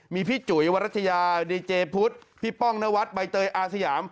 มีพี่จุ๋ยวรัชยาดีเจพุทธพี่ป้องนวัดใบเตยอาสยาม